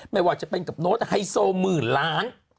ไม่ว่าจะเป็นกับโน้ตไฮโซหมื่นล้าน